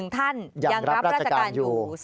๑ท่านยังรับราชการอยู่